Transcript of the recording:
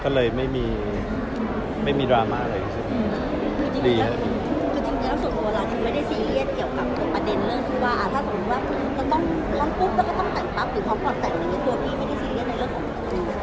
คือจริงแล้วส่วนโดยเวลาที่ไม่ได้เซียเรียสเกี่ยวกับประเด็นเรื่องคือว่าอ่าถ้าสมมติว่า